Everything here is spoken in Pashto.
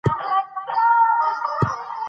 ماشومان باید په خپلواک ډول کار وکړي.